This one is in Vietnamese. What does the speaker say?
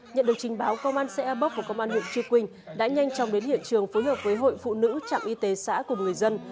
nhận được trình báo công an xe e bốc của công an huyện chư quynh đã nhanh chóng đến hiện trường phối hợp với hội phụ nữ trạm y tế xã của người dân